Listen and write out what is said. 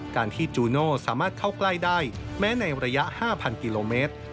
การที่จูโน่สามารถเข้าใกล้ได้แม้ในระยะ๕๐๐กิโลเมตร